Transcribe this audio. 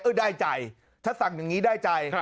เออได้ใจชัดสั่งอย่างนี้ได้ใจ